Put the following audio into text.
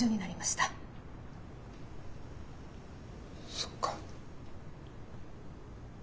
そっか。